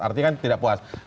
artinya kan tidak puas